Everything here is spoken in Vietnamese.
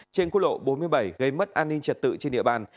trên quốc lộ bốn mươi bảy gây mất an ninh trật tự trên địa bàn